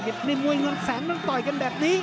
ในมวยเงินแสนนั้นต่อยกันแบบนี้